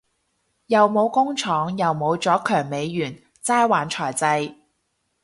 又冇工廠又冇咗強美元齋玩制裁